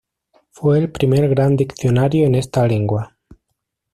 Fue el primer gran diccionario en esta lengua.